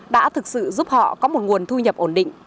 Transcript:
đã thực sự giúp họ có một nguồn thu nhập ổn định